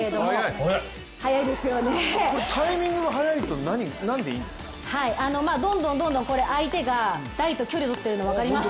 タイミングが速いとなんでいいんですかどんどん、相手が台と距離をとっているの分かります？